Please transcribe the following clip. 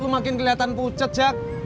lo makin kelihatan pucet jack